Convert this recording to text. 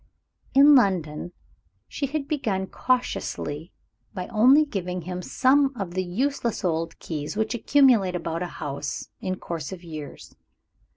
In London, she had begun cautiously by only giving him some of the useless old keys which accumulate about a house in course of years.